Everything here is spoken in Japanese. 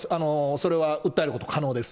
それは訴えることは可能です。